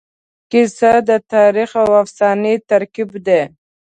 کیسه د تاریخ او افسانې ترکیب دی.